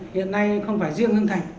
hiện nay không phải riêng hương thành